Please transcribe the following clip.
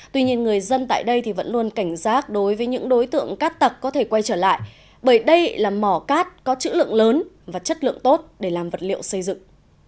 tuy nhiên người dân tại đây vẫn luôn cảnh giác đối với những đối tượng cát tặc có thể quay trở lại bởi đây là mỏ cát có chữ lượng lớn và chất lượng tốt để làm vật liệu xây dựng